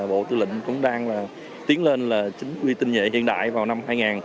bộ tư lĩnh cũng đang tiến lên là chính quy tinh nhệ hiện đại vào năm hai nghìn hai mươi năm